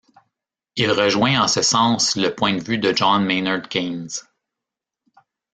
Il rejoint en ce sens le point de vue de John Maynard Keynes.